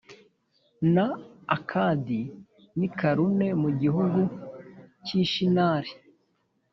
na Akadi n i Kalune mu gihugu cy i Shinari